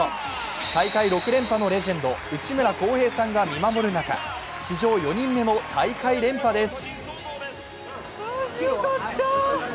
大会６連覇のレジェンド・内村航平さんが見守る中、史上４人目の大会連覇です。